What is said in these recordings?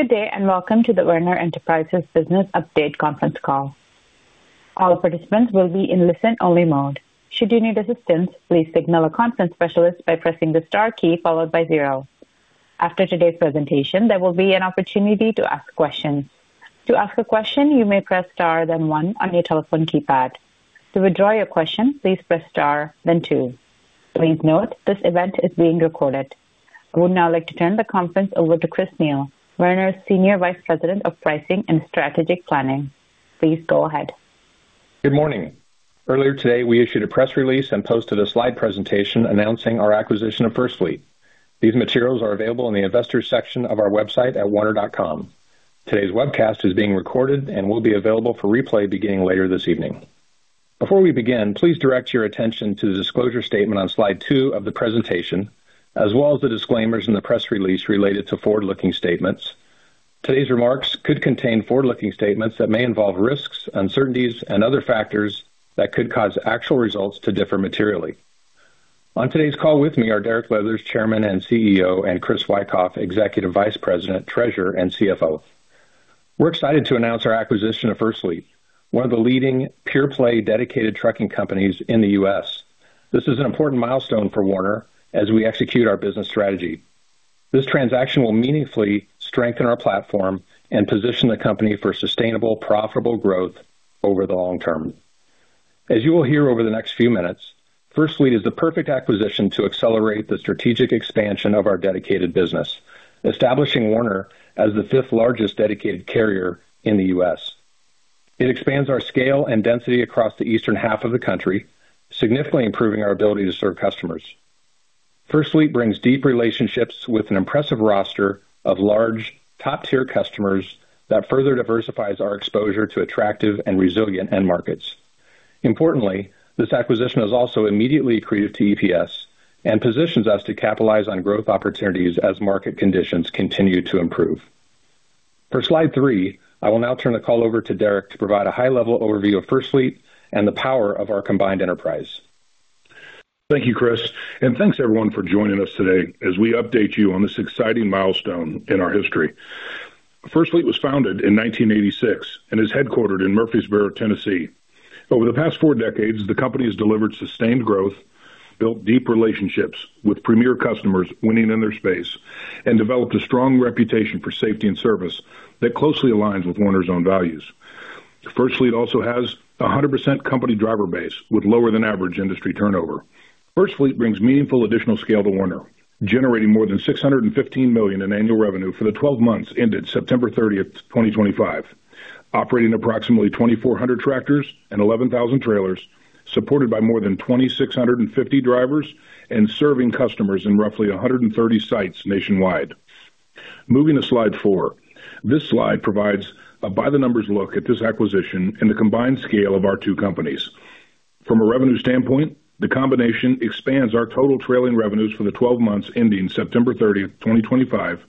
Good day, and welcome to the Werner Enterprises Business Update Conference Call. All participants will be in listen-only mode. Should you need assistance, please signal a conference specialist by pressing the star key followed by zero. After today's presentation, there will be an opportunity to ask questions. To ask a question, you may press star, then one on your telephone keypad. To withdraw your question, please press star, then two. Please note, this event is being recorded. I would now like to turn the conference over to Chris Neal, Werner's Senior Vice President of Pricing and Strategic Planning. Please go ahead. Good morning. Earlier today, we issued a press release and posted a slide presentation announcing our acquisition of FirstFleet. These materials are available in the Investors section of our website at werner.com. Today's webcast is being recorded and will be available for replay beginning later this evening. Before we begin, please direct your attention to the disclosure statement on slide two of the presentation, as well as the disclaimers in the press release related to forward-looking statements. Today's remarks could contain forward-looking statements that may involve risks, uncertainties, and other factors that could cause actual results to differ materially. On today's call with me are Derek Leathers, Chairman and CEO, and Chris Wikoff, Executive Vice President, Treasurer, and CFO. We're excited to announce our acquisition of FirstFleet, one of the leading pure-play, dedicated trucking companies in the U.S. This is an important milestone for Werner as we execute our business strategy. This transaction will meaningfully strengthen our platform and position the company for sustainable, profitable growth over the long term. As you will hear over the next few minutes, FirstFleet is the perfect acquisition to accelerate the strategic expansion of our dedicated business, establishing Werner as the fifth-largest dedicated carrier in the U.S. It expands our scale and density across the eastern half of the country, significantly improving our ability to serve customers. FirstFleet brings deep relationships with an impressive roster of large, top-tier customers that further diversifies our exposure to attractive and resilient end markets. Importantly, this acquisition is also immediately accretive to EPS and positions us to capitalize on growth opportunities as market conditions continue to improve. For slide three, I will now turn the call over to Derek to provide a high-level overview of Firs Fleet and the power of our combined enterprise. Thank you, Chris, and thanks, everyone, for joining us today as we update you on this exciting milestone in our history. FirstFleet was founded in 1986 and is headquartered in Murfreesboro, Tennessee. Over the past four decades, the company has delivered sustained growth, built deep relationships with premier customers, winning in their space, and developed a strong reputation for safety and service that closely aligns with Werner's own values. FirstFleet also has 100% company driver base with lower than average industry turnover. FirstFleet brings meaningful additional scale to Werner, generating more than $615 million in annual revenue for the twelve months ended September 30, 2025, operating approximately 2,400 tractors and 11,000 trailers, supported by more than 2,650 drivers and serving customers in roughly 130 sites nationwide. Moving to slide 4. This slide provides a by-the-numbers look at this acquisition and the combined scale of our two companies. From a revenue standpoint, the combination expands our total trailing revenues for the 12 months ending September 30th, 2025,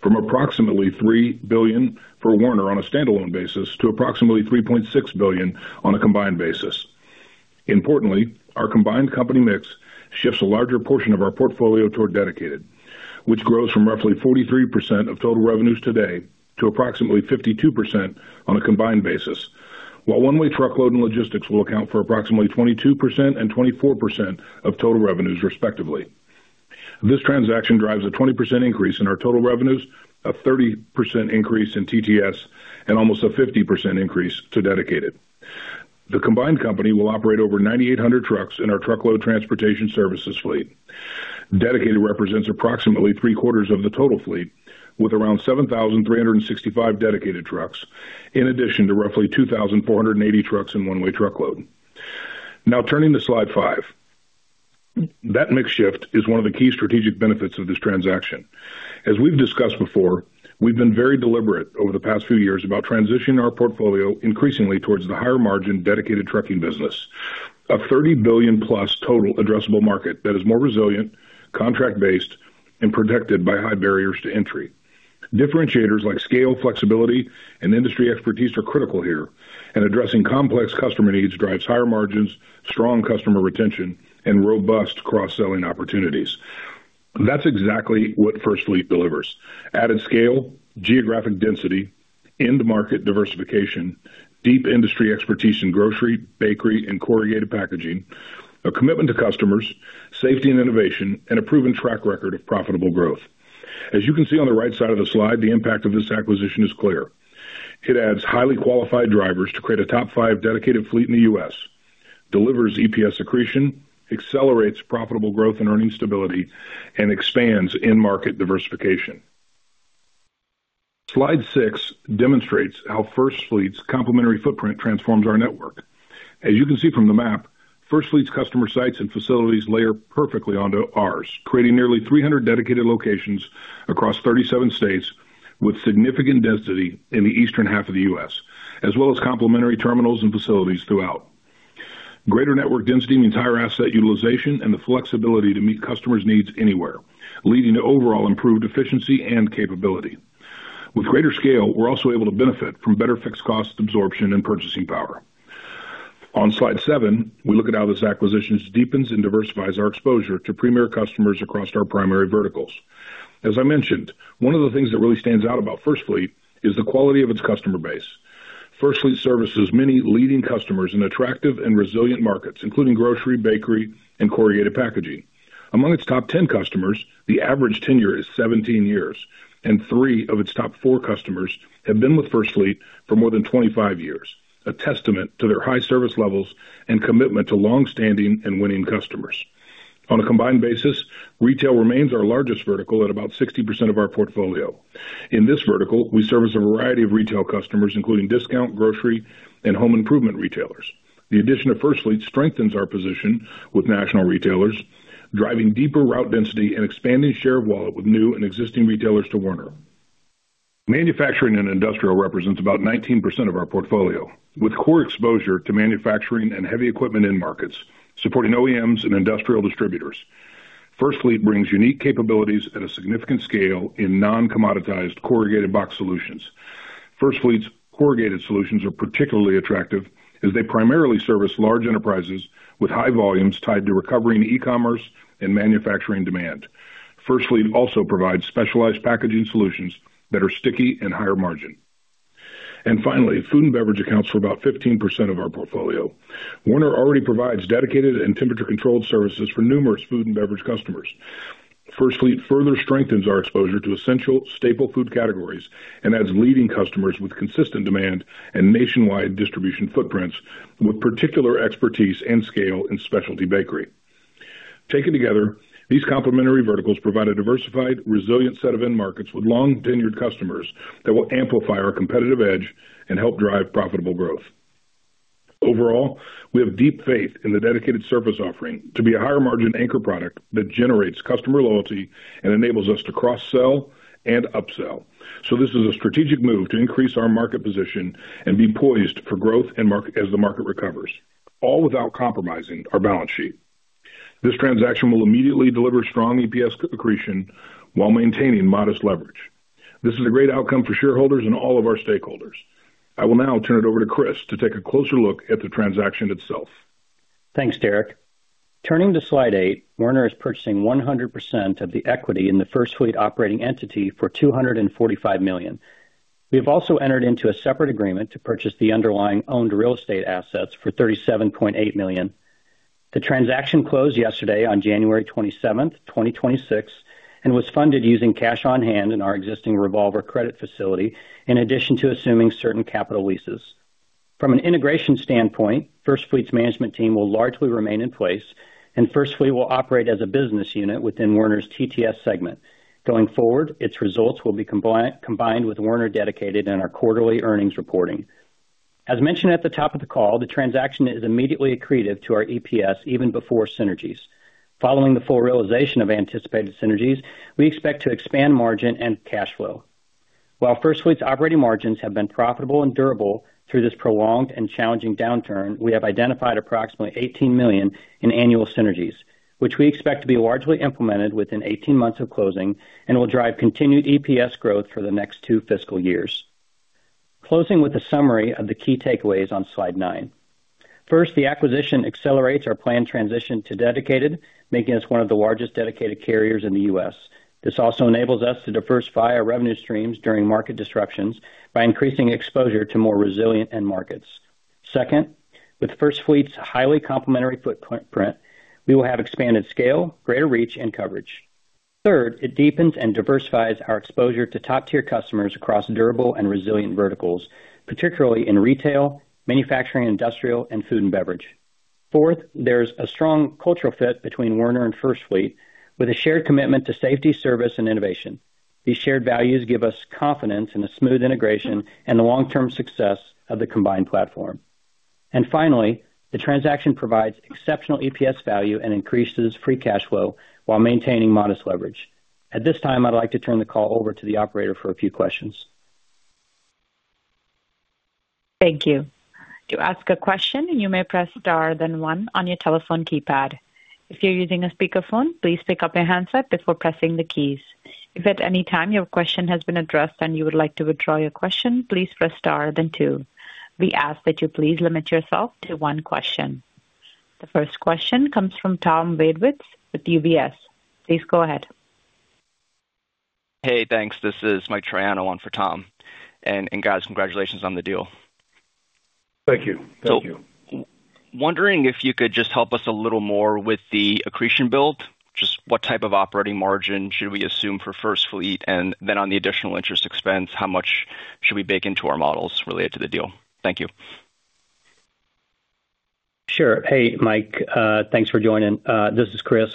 from approximately $3 billion for Werner on a standalone basis to approximately $3.6 billion on a combined basis. Importantly, our combined company mix shifts a larger portion of our portfolio toward dedicated, which grows from roughly 43% of total revenues today to approximately 52% on a combined basis, while one-way truckload and logistics will account for approximately 22% and 24% of total revenues, respectively. This transaction drives a 20% increase in our total revenues, a 30% increase in TTS, and almost a 50% increase to dedicated. The combined company will operate over 9,800 trucks in our truckload transportation services fleet. Dedicated represents approximately three-quarters of the total fleet, with around 7,365 dedicated trucks, in addition to roughly 2,480 trucks in one-way truckload. Now, turning to slide five. That mix shift is one of the key strategic benefits of this transaction. As we've discussed before, we've been very deliberate over the past few years about transitioning our portfolio increasingly towards the higher-margin, dedicated trucking business. A $30 billion+ total addressable market that is more resilient, contract-based, and protected by high barriers to entry. Differentiators like scale, flexibility, and industry expertise are critical here, and addressing complex customer needs drives higher margins, strong customer retention, and robust cross-selling opportunities. That's exactly what First Fleet delivers. Added scale, geographic density, end market diversification, deep industry expertise in grocery, bakery, and corrugated packaging, a commitment to customers, safety and innovation, and a proven track record of profitable growth. As you can see on the right side of the slide, the impact of this acquisition is clear. It adds highly qualified drivers to create a top five dedicated fleet in the U.S., delivers EPS accretion, accelerates profitable growth and earning stability, and expands end market diversification. Slide six demonstrates how FirstFleet's complementary footprint transforms our network. As you can see from the map, FirstFleet's customer sites and facilities layer perfectly onto ours, creating nearly 300 dedicated locations across 37 states with significant density in the eastern half of the U.S., as well as complementary terminals and facilities throughout. Greater network density means higher asset utilization and the flexibility to meet customers' needs anywhere, leading to overall improved efficiency and capability. With greater scale, we're also able to benefit from better fixed cost absorption and purchasing power. On slide 7, we look at how this acquisition deepens and diversifies our exposure to premier customers across our primary verticals. As I mentioned, one of the things that really stands out about FirstFleet is the quality of its customer base. FirstFleet services many leading customers in attractive and resilient markets, including grocery, bakery, and corrugated packaging. Among its top 10 customers, the average tenure is 17 years, and three of its top four customers have been with FirstFleet for more than 25 years, a testament to their high service levels and commitment to long-standing and winning customers. On a combined basis, retail remains our largest vertical at about 60% of our portfolio. In this vertical, we service a variety of retail customers, including discount, grocery, and home improvement retailers. The addition of FirstFleet strengthens our position with national retailers, driving deeper route density and expanding share of wallet with new and existing retailers to Werner. Manufacturing and industrial represents about 19% of our portfolio, with core exposure to manufacturing and heavy equipment end markets, supporting OEMs and industrial distributors. FirstFleet brings unique capabilities at a significant scale in non-commoditized corrugated box solutions. FirstFleet's corrugated solutions are particularly attractive as they primarily service large enterprises with high volumes tied to recovering e-commerce and manufacturing demand. FirstFleet also provides specialized packaging solutions that are sticky and higher margin. And finally, food and beverage accounts for about 15% of our portfolio. Werner already provides dedicated and temperature-controlled services for numerous food and beverage customers. FirstFleet further strengthens our exposure to essential staple food categories and adds leading customers with consistent demand and nationwide distribution footprints, with particular expertise and scale in specialty bakery. Taken together, these complementary verticals provide a diversified, resilient set of end markets with long-tenured customers that will amplify our competitive edge and help drive profitable growth. Overall, we have deep faith in the dedicated service offering to be a higher-margin anchor product that generates customer loyalty and enables us to cross-sell and upsell. So this is a strategic move to increase our market position and be poised for growth and market as the market recovers, all without compromising our balance sheet. This transaction will immediately deliver strong EPS accretion while maintaining modest leverage. This is a great outcome for shareholders and all of our stakeholders. I will now turn it over to Chris to take a closer look at the transaction itself. Thanks, Derek. Turning to slide 8, Werner is purchasing 100% of the equity in the FirstFleet operating entity for $245 million. We have also entered into a separate agreement to purchase the underlying owned real estate assets for $37.8 million. The transaction closed yesterday on January 27th, 2026, and was funded using cash on hand in our existing revolver credit facility, in addition to assuming certain capital leases. From an integration standpoint, FirstFleet's management team will largely remain in place, and FirstFleet will operate as a business unit within Werner's TTS segment. Going forward, its results will be combined, combined with Werner Dedicated in our quarterly earnings reporting. As mentioned at the top of the call, the transaction is immediately accretive to our EPS even before synergies. Following the full realization of anticipated synergies, we expect to expand margin and cash flow. While FirstFleet's operating margins have been profitable and durable through this prolonged and challenging downturn, we have identified approximately $18 million in annual synergies, which we expect to be largely implemented within 18 months of closing and will drive continued EPS growth for the next two fiscal years. Closing with a summary of the key takeaways on slide 9. First, the acquisition accelerates our planned transition to Dedicated, making us one of the largest dedicated carriers in the U.S. This also enables us to diversify our revenue streams during market disruptions by increasing exposure to more resilient end markets. Second, with FirstFleet's highly complementary footprint, we will have expanded scale, greater reach, and coverage. Third, it deepens and diversifies our exposure to top-tier customers across durable and resilient verticals, particularly in retail, manufacturing and industrial, and food and beverage. Fourth, there's a strong cultural fit between Werner and FirstFleet, with a shared commitment to safety, service, and innovation. These shared values give us confidence in a smooth integration and the long-term success of the combined platform. And finally, the transaction provides exceptional EPS value and increases free cash flow while maintaining modest leverage. At this time, I'd like to turn the call over to the operator for a few questions. Thank you. To ask a question, you may press star, then one on your telephone keypad. If you're using a speakerphone, please pick up your handset before pressing the keys. If at any time your question has been addressed and you would like to withdraw your question, please press star, then two. We ask that you please limit yourself to one question. The first question comes from Tom Wadewitz with UBS. Please go ahead. Hey, thanks. This is Mike Triano on for Tom. And, guys, congratulations on the deal. Thank you. Thank you. Wondering if you could just help us a little more with the accretion build. Just what type of operating margin should we assume for FirstFleet? And then on the additional interest expense, how much should we bake into our models related to the deal? Thank you. Sure. Hey, Mike, thanks for joining. This is Chris.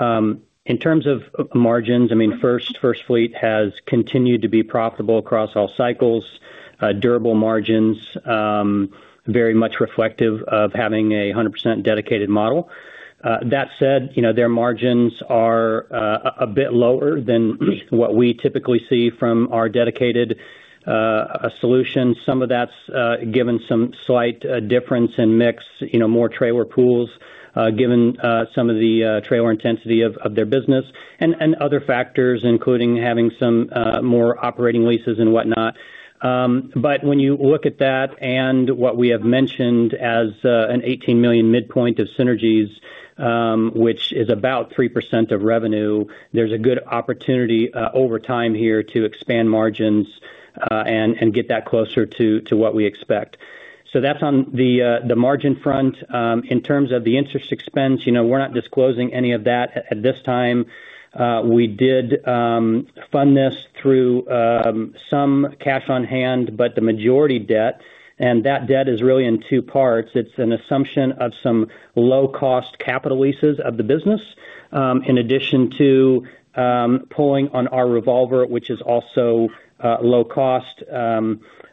In terms of margins, I mean, FirstFleet has continued to be profitable across all cycles, durable margins, very much reflective of having a 100% dedicated model. That said, you know, their margins are a bit lower than what we typically see from our dedicated solution. Some of that's given some slight difference in mix, you know, more trailer pools, given some of the trailer intensity of their business and other factors, including having some more operating leases and whatnot. But when you look at that and what we have mentioned as an $18 million midpoint of synergies, which is about 3% of revenue, there's a good opportunity over time here to expand margins, and get that closer to what we expect. So that's on the margin front. In terms of the interest expense, you know, we're not disclosing any of that at this time. We did fund this through some cash on hand, but the majority debt, and that debt is really in two parts. It's an assumption of some low-cost capital leases of the business, in addition to pulling on our revolver, which is also low cost.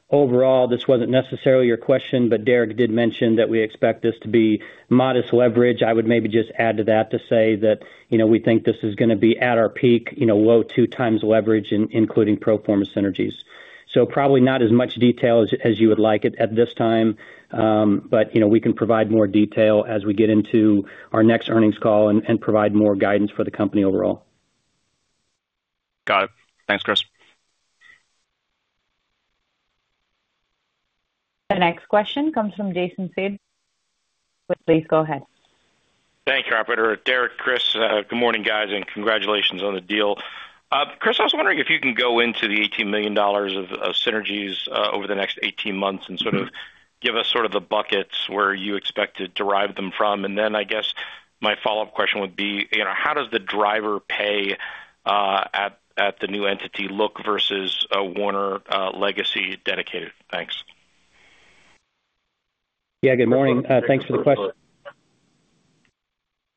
Overall, this wasn't necessarily your question, but Derek did mention that we expect this to be modest leverage. I would maybe just add to that to say that, you know, we think this is going to be at our peak, you know, low two times leverage, including pro forma synergies. So probably not as much detail as you would like it at this time, but, you know, we can provide more detail as we get into our next earnings call and provide more guidance for the company overall. Got it. Thanks, Chris. The next question comes from Jason Seidl. Please go ahead. Thank you, operator. Derek, Chris, good morning, guys, and congratulations on the deal. Chris, I was wondering if you can go into the $18 million of synergies over the next 18 months and sort of give us sort of the buckets where you expect to derive them from. And then I guess my follow-up question would be, you know, how does the driver pay at the new entity look versus a Werner legacy dedicated? Thanks. Yeah, good morning. Thanks for the question.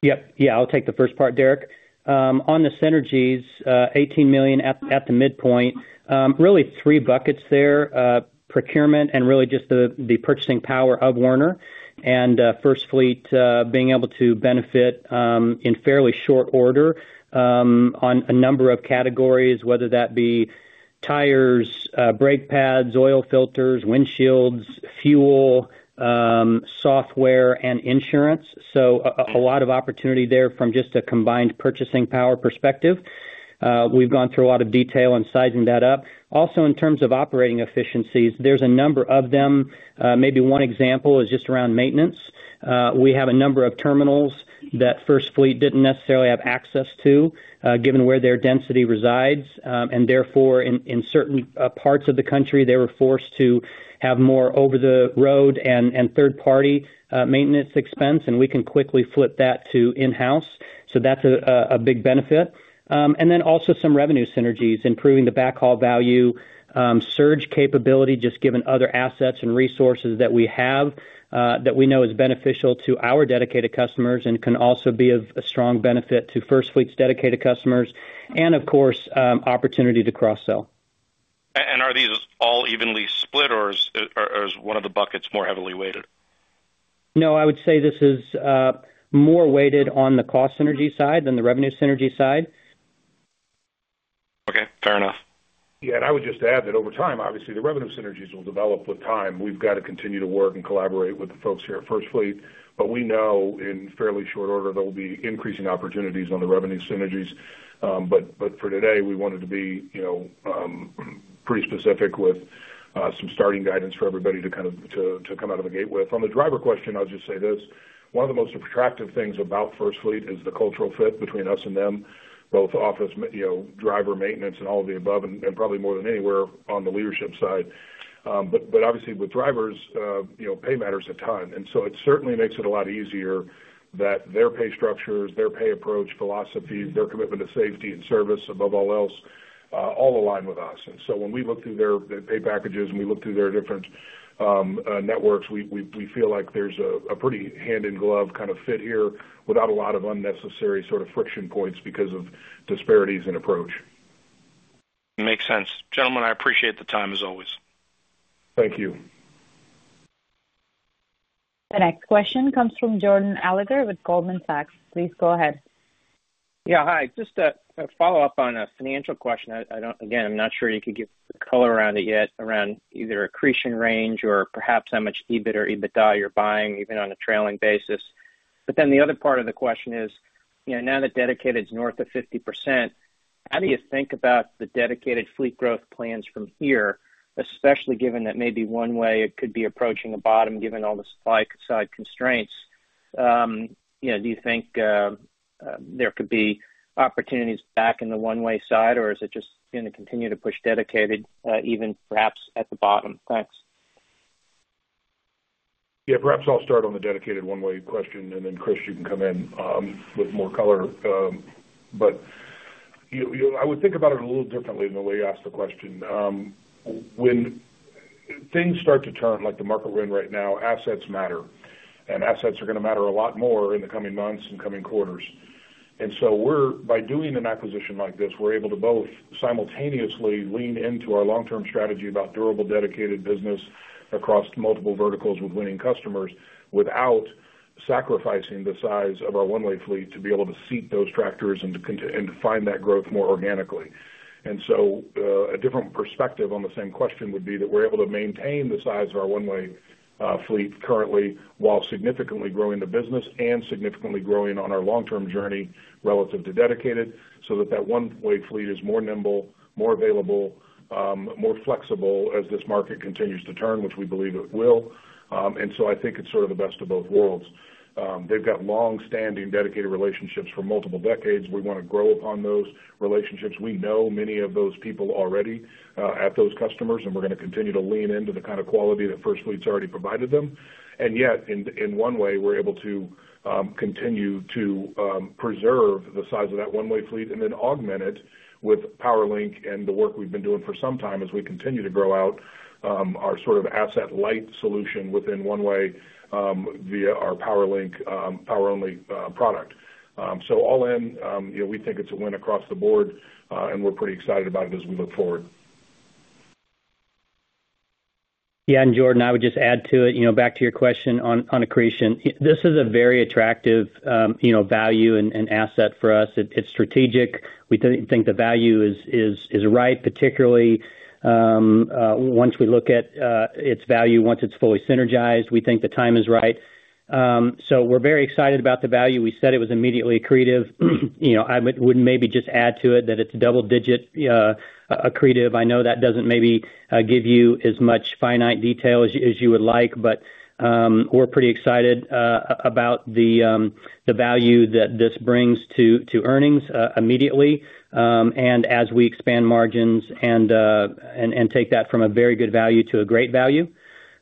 Yep. Yeah, I'll take the first part, Derek. On the synergies, $18 million at the midpoint, really three buckets there. Procurement and really just the purchasing power of Werner and FirstFleet being able to benefit in fairly short order on a number of categories, whether that be tires, brake pads, oil filters, windshields, fuel, software and insurance. So a lot of opportunity there from just a combined purchasing power perspective. We've gone through a lot of detail on sizing that up. Also, in terms of operating efficiencies, there's a number of them. Maybe one example is just around maintenance. We have a number of terminals that FirstFleet didn't necessarily have access to, given where their density resides, and therefore, in certain parts of the country, they were forced to have more over the road and third-party maintenance expense, and we can quickly flip that to in-house. So that's a big benefit. And then also some revenue synergies, improving the backhaul value, surge capability, just given other assets and resources that we have, that we know is beneficial to our dedicated customers and can also be of a strong benefit to FirstFleet's dedicated customers, and of course, opportunity to cross-sell. Are these all evenly split, or is one of the buckets more heavily weighted? No, I would say this is more weighted on the cost synergy side than the revenue synergy side. Okay, fair enough. Yeah, and I would just add that over time, obviously, the revenue synergies will develop with time. We've got to continue to work and collaborate with the folks here at First Fleet, but we know in fairly short order, there will be increasing opportunities on the revenue synergies. But for today, we wanted to be, you know, pretty specific with some starting guidance for everybody to kind of come out of the gate with. On the driver question, I'll just say this: one of the most attractive things about First Fleet is the cultural fit between us and them, both office, you know, driver maintenance and all of the above, and probably more than anywhere on the leadership side. But obviously with drivers, you know, pay matters a ton, and so it certainly makes it a lot easier that their pay structures, their pay approach, philosophy, their commitment to safety and service above all else, all align with us. And so when we look through their pay packages and we look through their different networks, we feel like there's a pretty hand-in-glove kind of fit here without a lot of unnecessary sort of friction points because of disparities in approach. Makes sense. Gentlemen, I appreciate the time as always. Thank you. The next question comes from Jordan Alliger with Goldman Sachs. Please go ahead. Yeah, hi. Just a follow-up on a financial question. I don't... Again, I'm not sure you could give color around it yet, around either accretion range or perhaps how much EBIT or EBITDA you're buying, even on a trailing basis. But then the other part of the question is, you know, now that dedicated is north of 50%, how do you think about the dedicated fleet growth plans from here, especially given that maybe one-way it could be approaching a bottom, given all the supply side constraints? You know, do you think there could be opportunities back in the one-way side, or is it just going to continue to push dedicated, even perhaps at the bottom? Thanks. Yeah, perhaps I'll start on the dedicated one-way question, and then, Chris, you can come in with more color. But I would think about it a little differently than the way you asked the question. When things start to turn, like the market we're in right now, assets matter, and assets are going to matter a lot more in the coming months and coming quarters. And so we're, by doing an acquisition like this, we're able to both simultaneously lean into our long-term strategy about durable, dedicated business across multiple verticals with winning customers, without sacrificing the size of our one-way fleet to be able to seat those tractors and to find that growth more organically. And so, a different perspective on the same question would be that we're able to maintain the size of our one-way fleet currently, while significantly growing the business and significantly growing on our long-term journey relative to dedicated, so that one-way fleet is more nimble, more available, more flexible as this market continues to turn, which we believe it will. And so I think it's sort of the best of both worlds. They've got long-standing dedicated relationships for multiple decades. We want to grow upon those relationships. We know many of those people already at those customers, and we're going to continue to lean into the kind of quality that FirstFleet's already provided them. And yet, in one way, we're able to continue to preserve the size of that one-way fleet and then augment it with PowerLink and the work we've been doing for some time as we continue to grow out our sort of asset-light solution within one-way via our PowerLink power-only product. So all in, you know, we think it's a win across the board, and we're pretty excited about it as we look forward. Yeah, and Jordan, I would just add to it, you know, back to your question on accretion. This is a very attractive, you know, value and asset for us. It, it's strategic. We think the value is right, particularly, once we look at its value, once it's fully synergized, we think the time is right. So we're very excited about the value. We said it was immediately accretive. You know, I would maybe just add to it that it's double digit accretive. I know that doesn't maybe give you as much finite detail as you, as you would like, but we're pretty excited about the, the value that this brings to, to earnings immediately, and as we expand margins and, and take that from a very good value to a great value.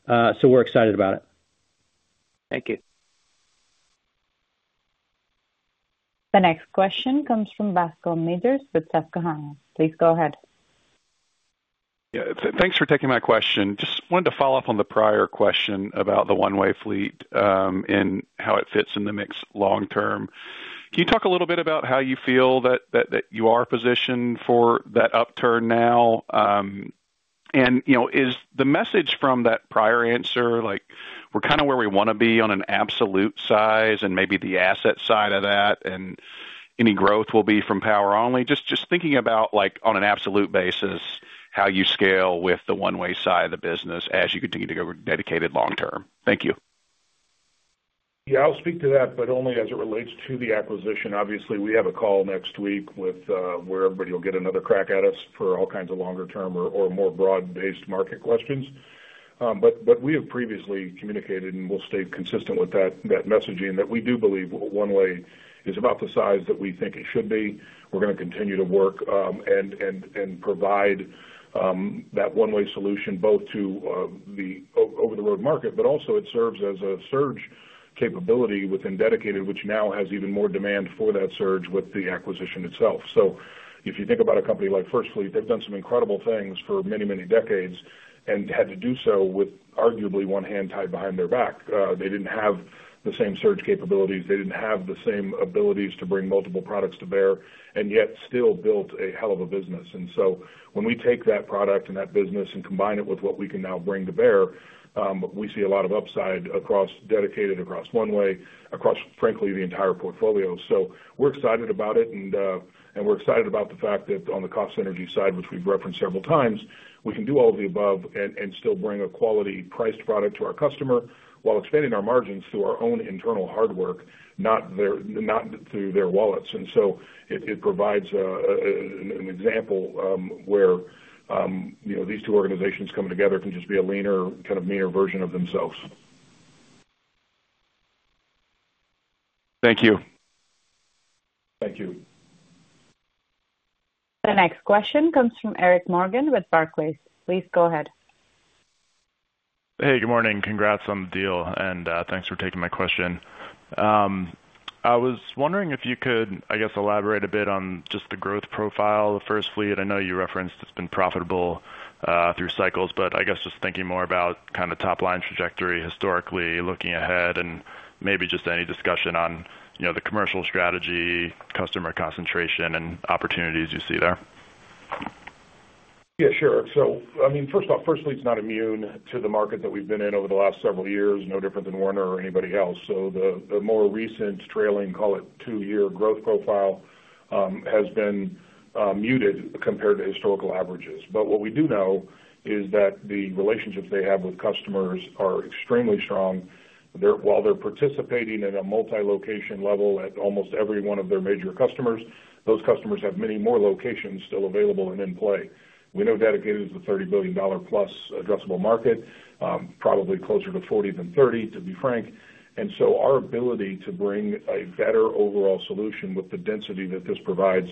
So we're excited about it. Thank you. The next question comes from Bascome Majors with Susquehanna. Please go ahead. Yeah, thanks for taking my question. Just wanted to follow up on the prior question about the one-way fleet and how it fits in the mix long term. Can you talk a little bit about how you feel that you are positioned for that upturn now? And, you know, is the message from that prior answer, like, we're kind of where we want to be on an absolute size and maybe the asset side of that, and any growth will be from power only? Just thinking about, like, on an absolute basis, how you scale with the one-way side of the business as you continue to go with dedicated long term. Thank you. Yeah, I'll speak to that, but only as it relates to the acquisition. Obviously, we have a call next week with where everybody will get another crack at us for all kinds of longer term or more broad-based market questions. But we have previously communicated, and we'll stay consistent with that, that messaging, that we do believe one-way is about the size that we think it should be. We're going to continue to work and provide that one-way solution, both to the over-the-road market, but also it serves as a surge capability within Dedicated, which now has even more demand for that surge with the acquisition itself. So if you think about a company like FirstFleet, they've done some incredible things for many, many decades and had to do so with arguably one hand tied behind their back. They didn't have the same surge capabilities, they didn't have the same abilities to bring multiple products to bear, and yet still built a hell of a business. And so when we take that product and that business and combine it with what we can now bring to bear, we see a lot of upside across Dedicated, across One-Way, across, frankly, the entire portfolio. So we're excited about it, and we're excited about the fact that on the cost synergy side, which we've referenced several times, we can do all of the above and still bring a quality priced product to our customer while expanding our margins through our own internal hard work, not through their wallets. And so it provides an example where, you know, these two organizations coming together can just be a leaner, kind of meaner version of themselves. Thank you. Thank you. The next question comes from Eric Morgan with Barclays. Please go ahead. Hey, good morning. Congrats on the deal, and thanks for taking my question. I was wondering if you could, I guess, elaborate a bit on just the growth profile of FirstFleet. I know you referenced it's been profitable through cycles, but I guess just thinking more about kind of top-line trajectory historically, looking ahead, and maybe just any discussion on, you know, the commercial strategy, customer concentration, and opportunities you see there. Yeah, sure. So, I mean, first off, FirstFleet's not immune to the market that we've been in over the last several years, no different than Werner or anybody else. So the more recent trailing, call it, 2-year growth profile has been muted compared to historical averages. But what we do know is that the relationships they have with customers are extremely strong. They're, while they're participating at a multi-location level at almost every one of their major customers, those customers have many more locations still available and in play. We know Dedicated is a $30 billion+ addressable market, probably closer to 40 than 30, to be frank. And so our ability to bring a better overall solution with the density that this provides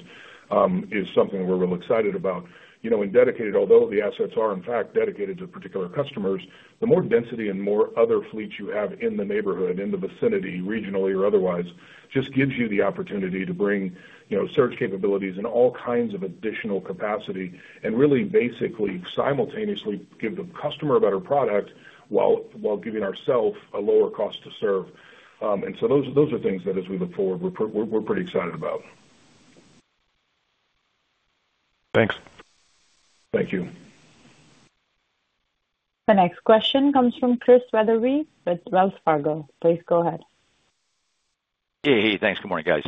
is something we're real excited about. You know, in Dedicated, although the assets are in fact dedicated to particular customers, the more density and more other fleets you have in the neighborhood, in the vicinity, regionally or otherwise, just gives you the opportunity to bring, you know, surge capabilities and all kinds of additional capacity. And really, basically, simultaneously give the customer a better product while giving ourself a lower cost to serve. And so those are things that as we look forward, we're pretty excited about. Thanks. Thank you. The next question comes from Chris Wetherbee with Wells Fargo. Please go ahead. Hey, hey, thanks. Good morning, guys.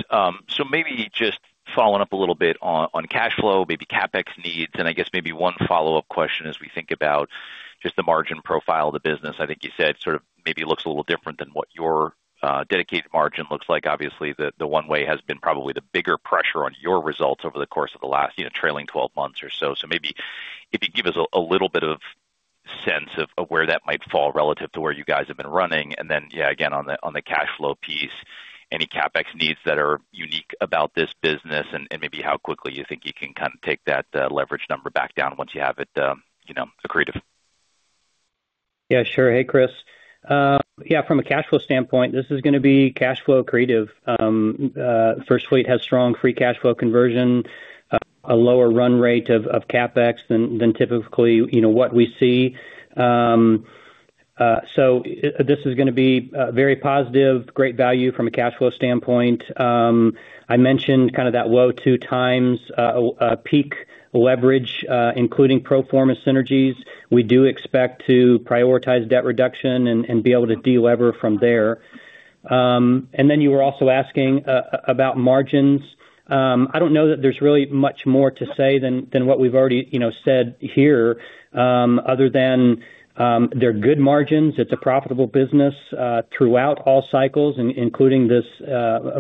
So maybe just following up a little bit on, on cash flow, maybe CapEx needs, and I guess maybe one follow-up question as we think about just the margin profile of the business. I think you said sort of maybe looks a little different than what your dedicated margin looks like. Obviously, the one way has been probably the bigger pressure on your results over the course of the last, you know, trailing 12 months or so. So maybe if you give us a little bit of sense of, of where that might fall relative to where you guys have been running. And then, yeah, again, on the cash flow piece, any CapEx needs that are unique about this business and maybe how quickly you think you can kind of take that leverage number back down once you have it, you know, accretive? Yeah, sure. Hey, Chris. Yeah, from a cash flow standpoint, this is gonna be cash flow accretive. First Fleet has strong free cash flow conversion, a lower run rate of CapEx than typically, you know, what we see. So this is gonna be very positive, great value from a cash flow standpoint. I mentioned kind of that low 2x peak leverage, including pro forma synergies. We do expect to prioritize debt reduction and be able to delever from there. And then you were also asking about margins. I don't know that there's really much more to say than what we've already, you know, said here, other than they're good margins. It's a profitable business throughout all cycles, including this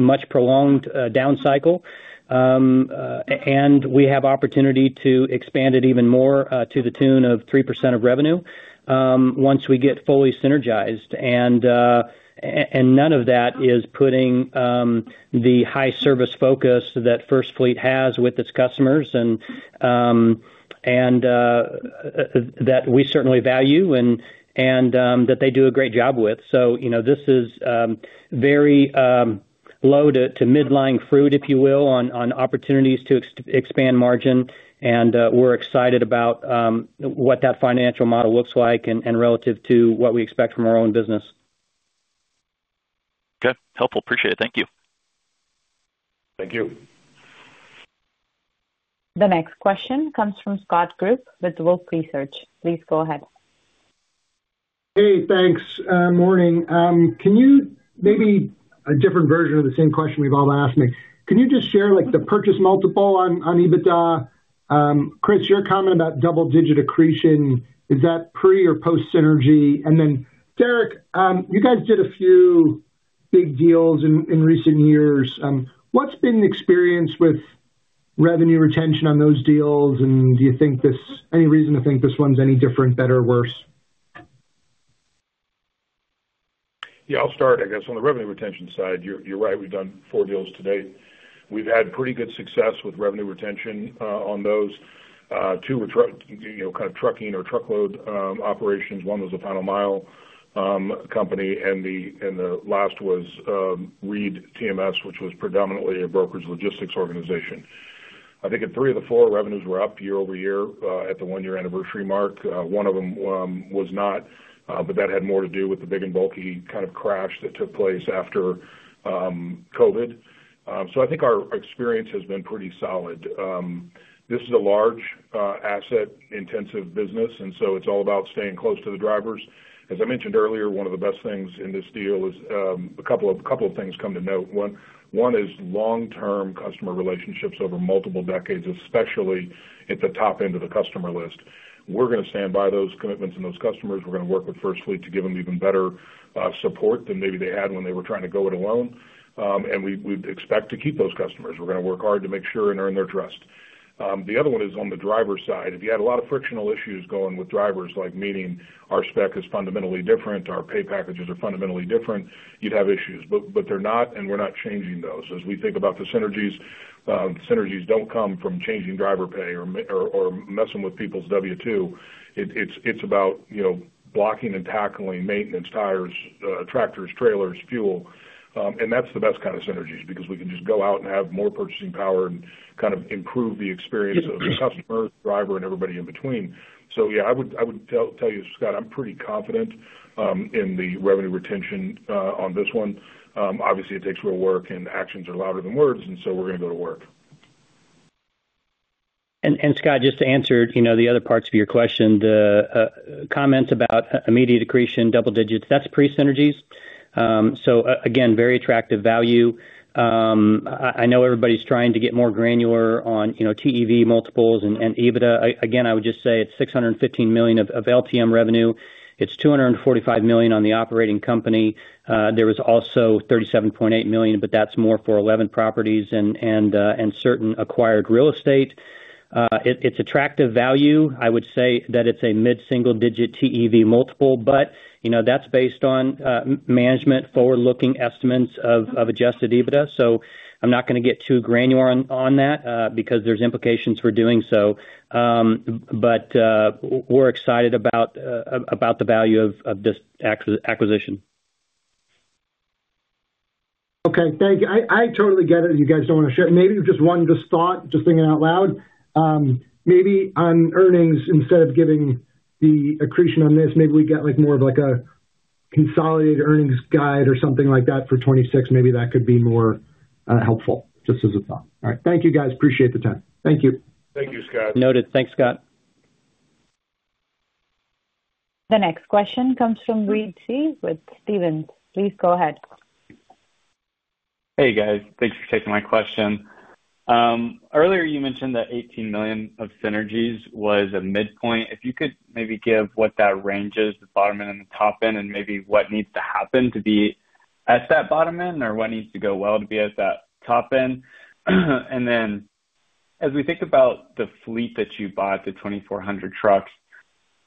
much prolonged down cycle. And we have opportunity to expand it even more, to the tune of 3% of revenue, once we get fully synergized. And none of that is putting the high service focus that First Fleet has with its customers, and that we certainly value and that they do a great job with. So, you know, this is very low to mid-lying fruit, if you will, on opportunities to expand margin, and we're excited about what that financial model looks like and relative to what we expect from our own business. Okay. Helpful. Appreciate it. Thank you. Thank you. The next question comes from Chris Wetherbee with Wells Fargo.. Please go ahead. Hey, thanks. Morning. Can you... maybe a different version of the same question we've all asked, maybe. Can you just share, like, the purchase multiple on, on EBITDA? Chris, your comment about double-digit accretion, is that pre or post synergy? And then, Derek, you guys did a few big deals in, in recent years. What's been the experience with revenue retention on those deals, and do you think this—any reason to think this one's any different, better, or worse? Yeah, I'll start, I guess, on the revenue retention side. You're right, we've done four deals to date. We've had pretty good success with revenue retention on those. Two were truck, you know, kind of trucking or truckload operations. One was a final mile company, and the last was ReedTMS, which was predominantly a brokerage logistics organization. I think in three of the four, revenues were up year-over-year at the one-year anniversary mark. One of them was not, but that had more to do with the big and bulky kind of crash that took place after COVID. So I think our experience has been pretty solid. This is a large asset-intensive business, and so it's all about staying close to the drivers. As I mentioned earlier, one of the best things in this deal is a couple of things come to note. One is long-term customer relationships over multiple decades, especially at the top end of the customer list. We're gonna stand by those commitments and those customers. We're gonna work with FirstFleet to give them even better support than maybe they had when they were trying to go it alone. And we expect to keep those customers. We're gonna work hard to make sure and earn their trust. The other one is on the driver side. If you had a lot of frictional issues going with drivers, like meaning our spec is fundamentally different, our pay packages are fundamentally different, you'd have issues. But they're not, and we're not changing those. As we think about the synergies, synergies don't come from changing driver pay or messing with people's W-2. It's about, you know, blocking and tackling maintenance, tires, tractors, trailers, fuel. And that's the best kind of synergies because we can just go out and have more purchasing power and kind of improve the experience of the customer, driver, and everybody in between. So yeah, I would tell you, Scott, I'm pretty confident in the revenue retention on this one. Obviously, it takes real work, and actions are louder than words, and so we're gonna go to work. Scott, just to answer, you know, the other parts of your question, the comment about immediate accretion, double digits, that's pre-synergies. So again, very attractive value. I know everybody's trying to get more granular on, you know, TEV multiples and EBITDA. Again, I would just say it's $615 million of LTM revenue. It's $245 million on the operating company. There was also $37.8 million, but that's more for 11 properties and certain acquired real estate. It's attractive value. I would say that it's a mid-single-digit TEV multiple, but you know, that's based on management forward-looking estimates of adjusted EBITDA. So I'm not gonna get too granular on that because there's implications for doing so. But, we're excited about the value of this acquisition. Okay. Thank you. I totally get it, you guys don't want to share. Maybe just one thought, just thinking out loud. Maybe on earnings, instead of giving the accretion on this, maybe we get, like, more of like a-... consolidated earnings guide or something like that for 2026, maybe that could be more helpful. Just as a thought. All right. Thank you, guys. Appreciate the time. Thank you. Thank you, Scott. Noted. Thanks, Scott. The next question comes from Trey Reid with Stephens. Please go ahead. Hey, guys. Thanks for taking my question. Earlier you mentioned that $18 million of synergies was a midpoint. If you could maybe give what that range is, the bottom end and the top end, and maybe what needs to happen to be at that bottom end, or what needs to go well to be at that top end? And then as we think about the fleet that you bought, the 2,400 trucks,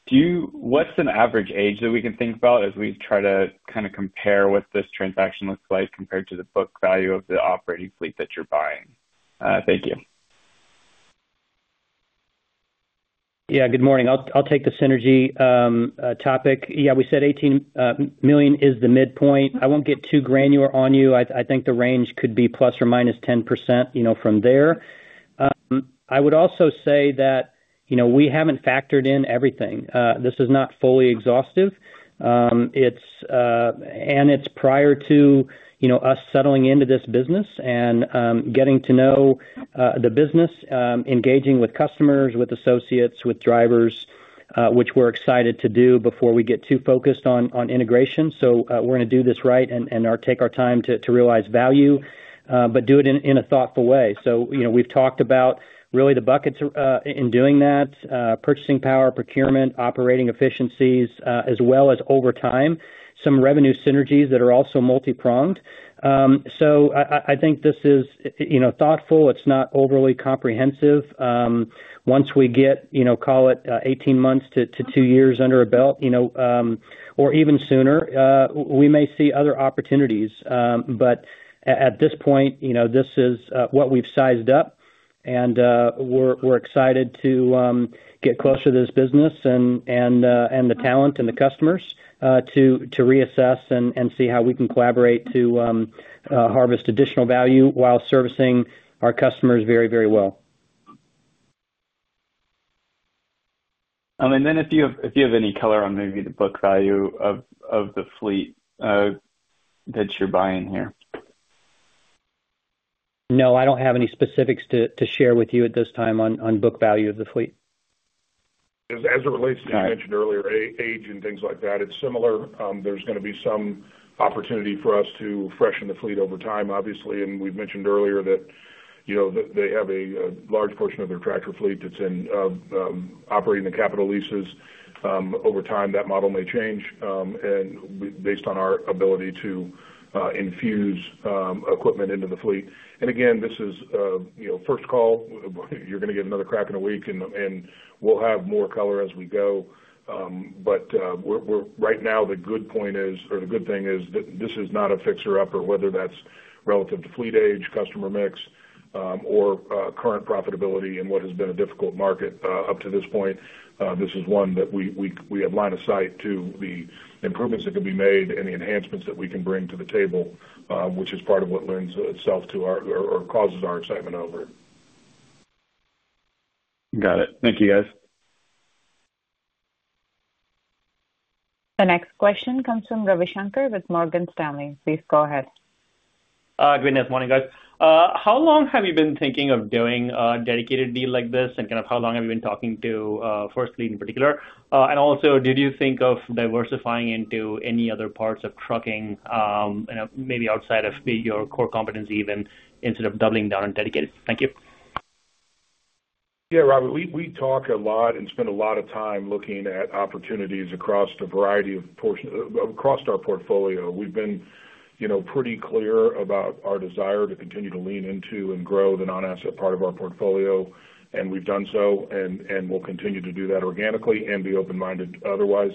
do you-- what's an average age that we can think about as we try to kind of compare what this transaction looks like compared to the book value of the operating fleet that you're buying? Thank you. Yeah, good morning. I'll take the synergy topic. Yeah, we said $18 million is the midpoint. I won't get too granular on you. I think the range could be ±10%, you know, from there. I would also say that, you know, we haven't factored in everything. This is not fully exhaustive. It's prior to, you know, us settling into this business and getting to know the business, engaging with customers, with associates, with drivers, which we're excited to do before we get too focused on integration. So, we're going to do this right and take our time to realize value, but do it in a thoughtful way. So, you know, we've talked about really the buckets, in doing that, purchasing power, procurement, operating efficiencies, as well as over time, some revenue synergies that are also multipronged. I think this is, you know, thoughtful. It's not overly comprehensive. Once we get, you know, call it 18 months to two years under our belt, you know, or even sooner, we may see other opportunities. At this point, you know, this is what we've sized up, and we're excited to get closer to this business and the talent and the customers, to reassess and see how we can collaborate to harvest additional value while servicing our customers very, very well. And then if you have, if you have any color on maybe the book value of, of the fleet, that you're buying here? No, I don't have any specifics to share with you at this time on book value of the fleet. As it relates to, you mentioned earlier, age and things like that, it's similar. There's going to be some opportunity for us to freshen the fleet over time, obviously. And we've mentioned earlier that, you know, they have a large portion of their tractor fleet that's operating the capital leases. Over time, that model may change, and based on our ability to infuse equipment into the fleet. And again, this is, you know, first call. You're going to get another crack in a week, and we'll have more color as we go. But right now, the good point is, or the good thing is that this is not a fixer-upper, whether that's relative to fleet age, customer mix, or current profitability in what has been a difficult market up to this point. This is one that we have line of sight to the improvements that can be made and the enhancements that we can bring to the table, which is part of what causes our excitement over it. Got it. Thank you, guys. The next question comes from Ravi Shankar with Morgan Stanley. Please go ahead. Good morning, guys. How long have you been thinking of doing a dedicated deal like this, and kind of how long have you been talking to First Fleet in particular? And also, did you think of diversifying into any other parts of trucking, you know, maybe outside of maybe your core competency, even instead of doubling down on dedicated? Thank you. Yeah, Ravi, we talk a lot and spend a lot of time looking at opportunities across a variety of portion across our portfolio. We've been, you know, pretty clear about our desire to continue to lean into and grow the non-asset part of our portfolio, and we've done so, and we'll continue to do that organically and be open-minded otherwise.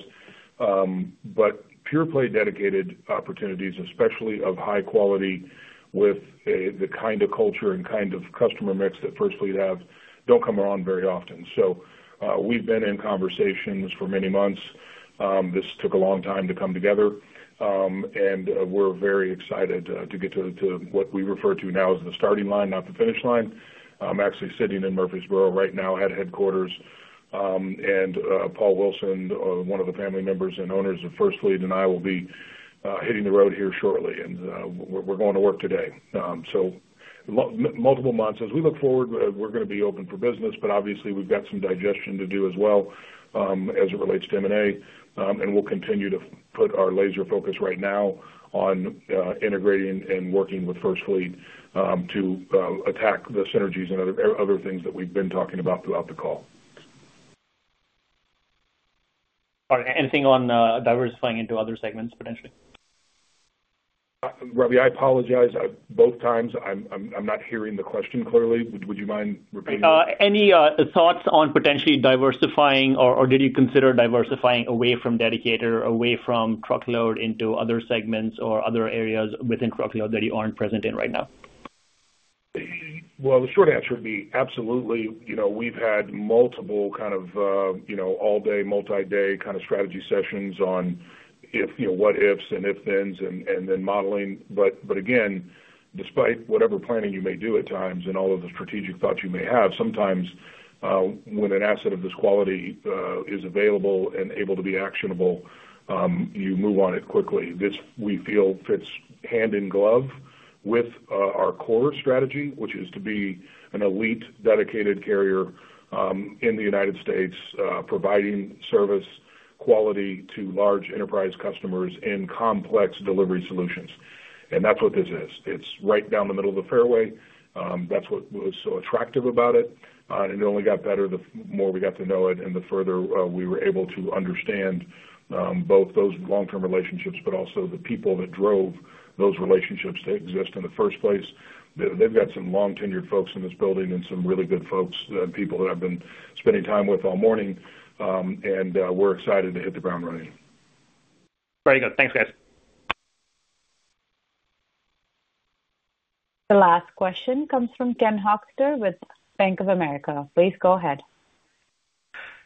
But pure play dedicated opportunities, especially of high quality, with the kind of culture and kind of customer mix that FirstFleet have, don't come around very often. So, we've been in conversations for many months. This took a long time to come together, and we're very excited to get to what we refer to now as the starting line, not the finish line. I'm actually sitting in Murfreesboro right now at headquarters, and Paul Wilson, one of the family members and owners of First Fleet, and I will be hitting the road here shortly, and we're going to work today. So multiple months. As we look forward, we're going to be open for business, but obviously, we've got some digestion to do as well, as it relates to M&A. And we'll continue to put our laser focus right now on integrating and working with First Fleet, to attack the synergies and other things that we've been talking about throughout the call. All right. Anything on diversifying into other segments, potentially? Ravi, I apologize. Both times, I'm not hearing the question clearly. Would you mind repeating? Any thoughts on potentially diversifying, or did you consider diversifying away from dedicated, away from truckload into other segments or other areas within truckload that you aren't present in right now?... Well, the short answer would be absolutely. You know, we've had multiple kind of, you know, all-day, multi-day kind of strategy sessions on if, you know, what ifs and if thens and then modeling. But again, despite whatever planning you may do at times and all of the strategic thoughts you may have, sometimes, when an asset of this quality, is available and able to be actionable, you move on it quickly. This, we feel, fits hand in glove with, our core strategy, which is to be an elite, dedicated carrier, in the United States, providing service quality to large enterprise customers in complex delivery solutions, and that's what this is. It's right down the middle of the fairway. That's what was so attractive about it, and it only got better the more we got to know it and the further we were able to understand both those long-term relationships, but also the people that drove those relationships to exist in the first place. They've got some long-tenured folks in this building and some really good folks, people that I've been spending time with all morning, and we're excited to hit the ground running. Very good. Thanks, guys. The last question comes from Ken Hoexter with Bank of America. Please go ahead.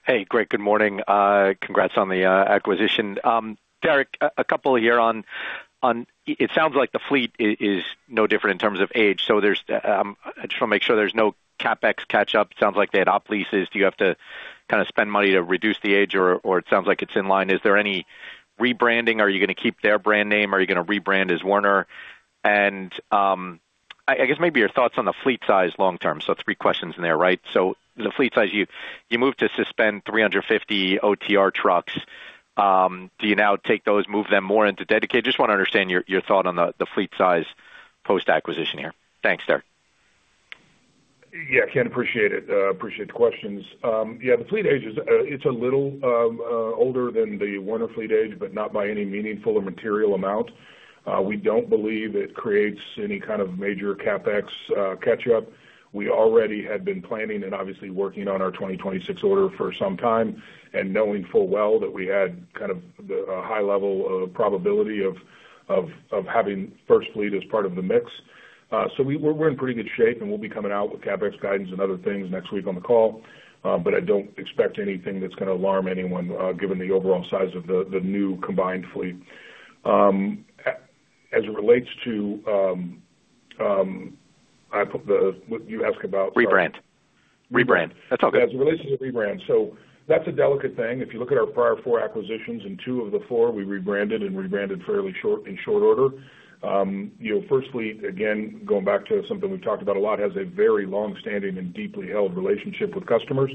Hey, great. Good morning. Congrats on the acquisition. Derek, a couple here on... It sounds like the fleet is no different in terms of age, so I just want to make sure there's no CapEx catch-up. Sounds like they had operating leases. Do you have to kind of spend money to reduce the age or it sounds like it's in line? Is there any rebranding? Are you going to keep their brand name? Are you going to rebrand as Werner? And I guess maybe your thoughts on the fleet size long term. So three questions in there, right? So the fleet size, you moved to suspend 350 OTR trucks. Do you now take those, move them more into dedicated? Just want to understand your thought on the fleet size post-acquisition here. Thanks, Derek. Yeah, Ken. Appreciate it. Appreciate the questions. Yeah, the fleet age is; it's a little older than the Werner fleet age, but not by any meaningful or material amount. We don't believe it creates any kind of major CapEx catch-up. We already had been planning and obviously working on our 2026 order for some time and knowing full well that we had kind of a high level of probability of having FirstFleet as part of the mix. So we're in pretty good shape, and we'll be coming out with CapEx guidance and other things next week on the call. But I don't expect anything that's going to alarm anyone, given the overall size of the new combined fleet. As it relates to, I put the, what you ask about- Rebrand. Rebrand. That's all good. As it relates to the rebrand, so that's a delicate thing. If you look at our prior four acquisitions, in two of the four, we rebranded and rebranded fairly short, in short order. You know, FirstFleet, again, going back to something we've talked about a lot, has a very long-standing and deeply held relationship with customers.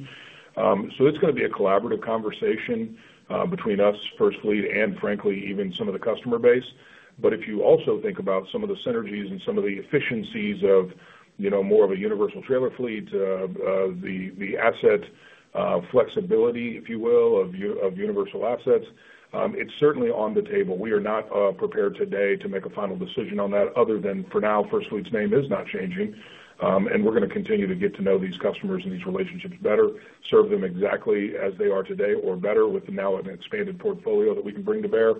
So it's going to be a collaborative conversation between us, FirstFleet, and frankly, even some of the customer base. But if you also think about some of the synergies and some of the efficiencies of, you know, more of a universal trailer fleet, the asset flexibility, if you will, of universal assets, it's certainly on the table. We are not prepared today to make a final decision on that, other than for now, FirstFleet's name is not changing. And we're going to continue to get to know these customers and these relationships better, serve them exactly as they are today or better with now an expanded portfolio that we can bring to bear.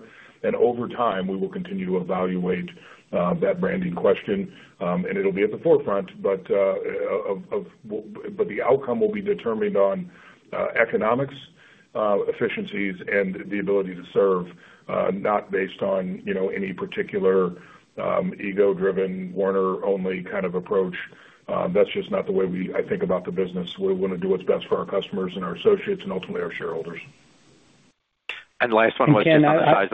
And over time, we will continue to evaluate that branding question, and it'll be at the forefront. But the outcome will be determined on economics, efficiencies, and the ability to serve, not based on, you know, any particular ego-driven, Werner-only kind of approach. That's just not the way we, I think, about the business. We want to do what's best for our customers and our associates and ultimately our shareholders. And the last one was- Ken, I-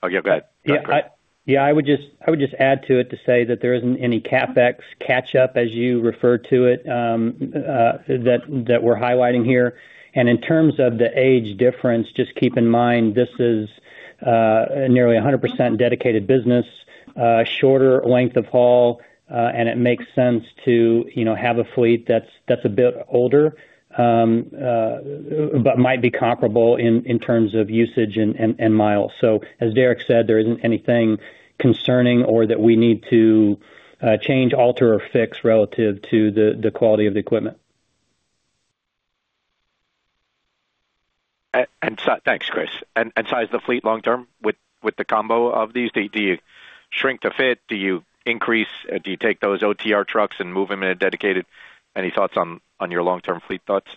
Oh, yeah, go ahead. Yeah. Yeah, I would just add to it to say that there isn't any CapEx catch-up, as you referred to it, that we're highlighting here. In terms of the age difference, just keep in mind, this is nearly 100% dedicated business, shorter length of haul, and it makes sense to, you know, have a fleet that's a bit older, but might be comparable in terms of usage and miles. As Derek said, there isn't anything concerning or that we need to change, alter, or fix relative to the quality of the equipment. Thanks, Chris. And size the fleet long term with the combo of these? Do you shrink to fit? Do you increase? Do you take those OTR trucks and move them in a dedicated? Any thoughts on your long-term fleet thoughts?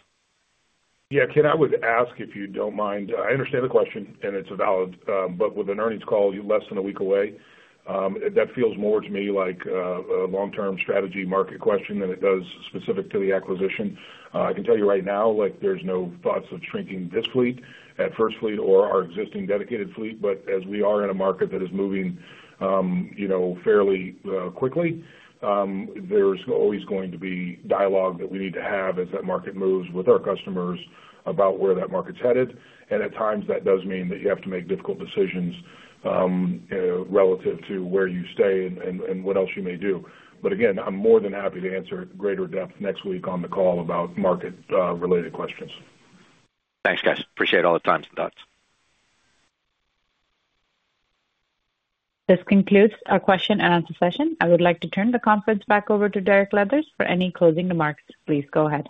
Yeah, Ken, I would ask, if you don't mind, I understand the question, and it's a valid, but with an earnings call less than a week away, that feels more to me like a long-term strategy market question than it does specific to the acquisition. I can tell you right now, like, there's no thoughts of shrinking this fleet at First Fleet or our existing dedicated fleet, but as we are in a market that is moving, you know, fairly, quickly, there's always going to be dialogue that we need to have as that market moves with our customers about where that market's headed. And at times, that does mean that you have to make difficult decisions, relative to where you stay and what else you may do. But again, I'm more than happy to answer in greater depth next week on the call about market related questions. Thanks, guys. Appreciate all the time and thoughts. This concludes our question and answer session. I would like to turn the conference back over to Derek Leathers for any closing remarks. Please go ahead.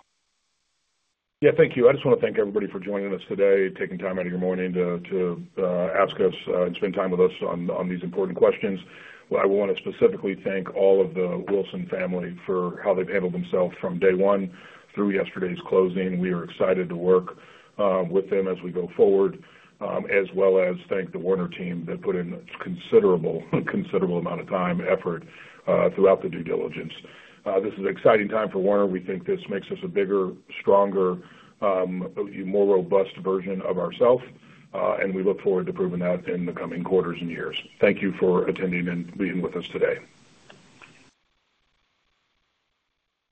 Yeah, thank you. I just want to thank everybody for joining us today, taking time out of your morning to ask us and spend time with us on these important questions. I want to specifically thank all of the Wilson family for how they've handled themselves from day one through yesterday's closing. We are excited to work with them as we go forward, as well as thank the Werner team that put in a considerable, considerable amount of time and effort throughout the due diligence. This is an exciting time for Werner. We think this makes us a bigger, stronger, a more robust version of ourself, and we look forward to proving that in the coming quarters and years. Thank you for attending and being with us today.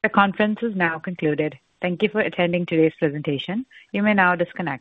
The conference is now concluded. Thank you for attending today's presentation. You may now disconnect.